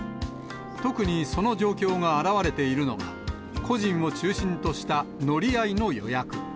特にその状況が表れているのが、個人を中心とした乗り合いの予約。